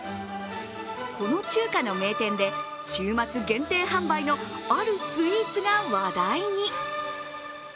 この中華の名店で、週末限定販売のあるスイーツが話題に。